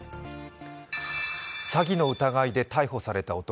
詐欺の疑いで逮捕された男。